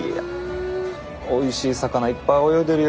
おいしい魚いっぱい泳いでるよ。